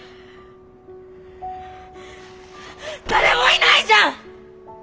誰もいないじゃん！